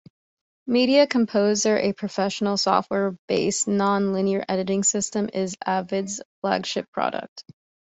Media Composer, a professional software-based non-linear editing system, is Avid's flagship product.